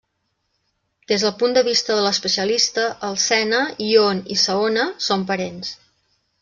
Des del punt de vista de l'especialista, el Sena, Yonne i Saona són parents.